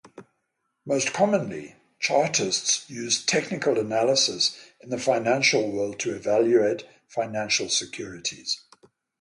Most commonly, chartists use technical analysis in the financial world to evaluate financial securities.